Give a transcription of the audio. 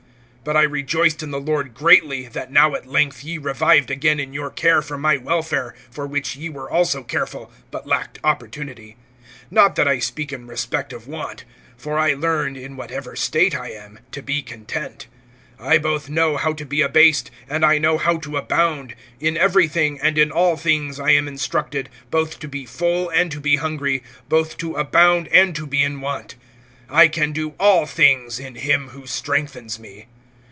(10)But I rejoiced in the Lord greatly, that now at length ye revived again in your care for my welfare; for which ye were also careful, but lacked opportunity. (11)Not that I speak in respect of want; for I learned, in whatever state I am, to be content. (12)I both know how to be abased, and I know how to abound; in every thing, and in all things, I am instructed, both to be full and to be hungry, both to abound and to be in want. (13)I can do all things, in him who strengthens me.